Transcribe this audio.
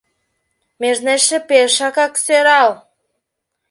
Межнечше пешакак сӧрал.